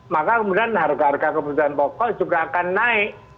maka kemudian harga harga kebutuhan pokok juga akan naik